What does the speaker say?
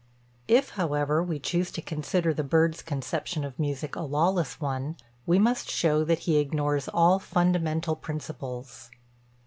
If, however, we choose to consider the bird's conception of music a lawless one, we must show that he ignores all fundamental principles.